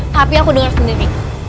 tapi aku denger sendiri